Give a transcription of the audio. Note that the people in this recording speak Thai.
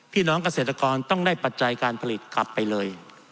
พี่น้องเกษตรกรต้องได้ปัจจัยการผลิตกลับไปเลย